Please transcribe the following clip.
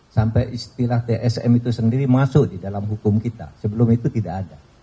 sampai istilah tsm itu sendiri masuk di dalam hukum kita sebelum itu tidak ada